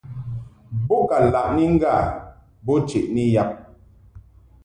Bo ka laʼni ŋgâ bo cheʼni yab.